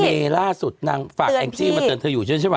ล่าสุดนางฝากแองจี้มาเตือนเธออยู่ใช่ไหม